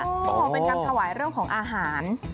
เป็นการถวายเรื่องของอาหาร